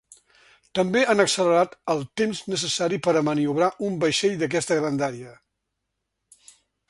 També han accelerat el temps necessari per a maniobrar un vaixell d’aquesta grandària.